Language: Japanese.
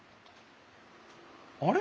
あれ？